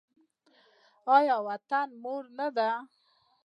آیا وطن مور نه ده؟